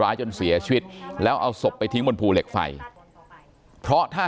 จนเสียชีวิตแล้วเอาศพไปทิ้งบนภูเหล็กไฟเพราะถ้า